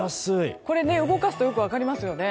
動かすとよく分かりますよね。